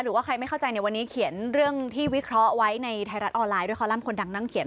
หรือว่าใครไม่เข้าใจในวันนี้เขียนเรื่องที่วิเคราะห์ไว้ในไทยรัฐออนไลน์ด้วยคอลัมป์คนดังนั่งเขียน